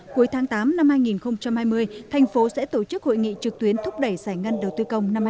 cuối tháng tám năm hai nghìn hai mươi thành phố sẽ tổ chức hội nghị trực tuyến thúc đẩy giải ngân đầu tư công năm hai nghìn hai mươi